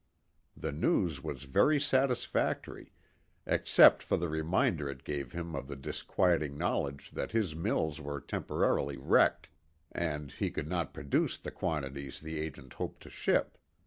The news was very satisfactory, except for the reminder it gave him of the disquieting knowledge that his mills were temporarily wrecked, and he could not produce the quantities the agent hoped to ship.